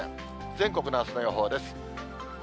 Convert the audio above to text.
全国のあすの予報です。